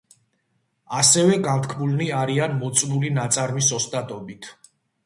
ასევე განთქმულნი არიან მოწნული ნაწარმის ოსტატობით.